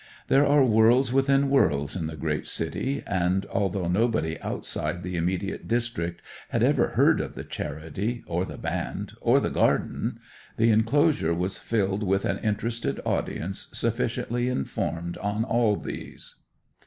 There are worlds within worlds in the great city, and though nobody outside the immediate district had ever heard of the charity, or the band, or the garden, the enclosure was filled with an interested audience sufficiently informed on all these.